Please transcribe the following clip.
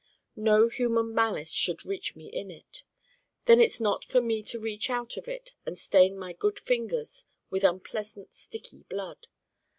No human malice should reach me in it. Then it's not for me to reach out of it and stain my good fingers with unpleasant sticky blood.